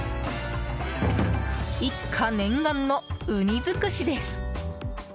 一家念願のウニ尽くしです。